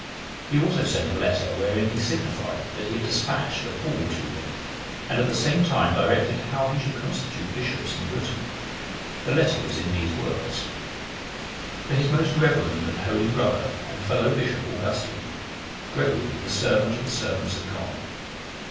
He also sent a letter, wherein he signified that he had despatched the pall to him, and at the same time directed how he should constitute bishops in Britain. The letter was in these words: "_To his most reverend and holy brother and fellow bishop, Augustine; Gregory, the servant of the servants of God.